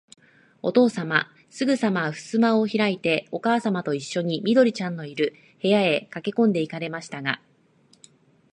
おとうさまは、すぐさまふすまをひらいて、おかあさまといっしょに、緑ちゃんのいる、部屋へかけこんで行かれましたが、